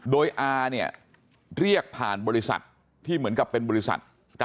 โดยอาเนี่ยเรียกผ่านบริษัทที่เหมือนกับเป็นบริษัท